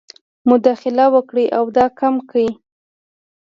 مداخله وکړي او دا کم کړي.